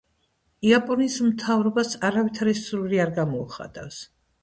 იაპონიის მთავრობას არავითარი სურვილი არ გამოუხატავს.